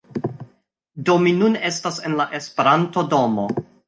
Do mi nun estas en la Esperanto-domo